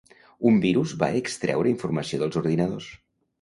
Un virus va extreure informació dels ordinadors